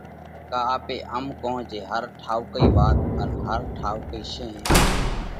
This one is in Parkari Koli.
ڪا آپي ام ڪون جي ھر ٺائُوڪِي وات ان ھر ٺائُوڪئي شينھ